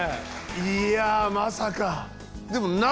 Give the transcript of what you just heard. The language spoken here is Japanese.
いやまさか。